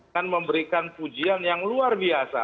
dan memberikan pujian yang luar biasa